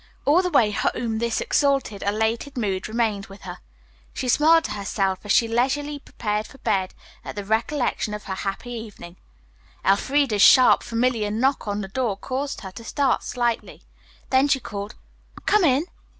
All the way home this exalted, elated mood remained with her. She smiled to herself as she leisurely prepared for bed at the recollection of her happy evening. Elfreda's sharp, familiar knock on the door caused her to start slightly, then she called, "Come in!"